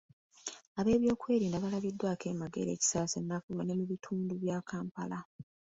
Ab'ebyokwerinda balabiddwako e Magere, Kisaasi, Nakawa ne mu bitundu bya Kampala